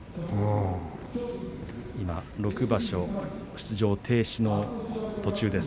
今、６場所出場停止の途中です。